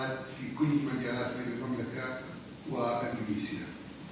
antara kerajaan arab saudi dan indonesia